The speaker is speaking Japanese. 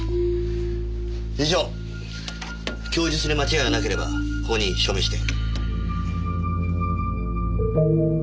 以上供述に間違いがなければここに署名して。